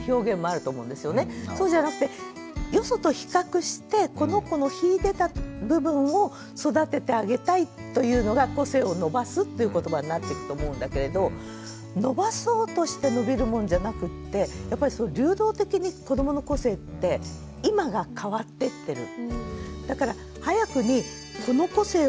そうじゃなくてよそと比較してこの子の秀でた部分を育ててあげたいというのが個性を伸ばすっていうことばになってくと思うんだけれど伸ばそうとして伸びるものじゃなくってやっぱり流動的に子どもの個性って今が変わってってる。